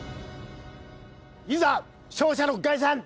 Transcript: いざ勝者の凱旋！